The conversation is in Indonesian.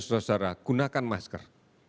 saudara saudara gunakan masker